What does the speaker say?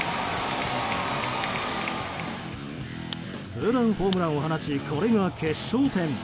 ツーランホームランを放ちこれが決勝点。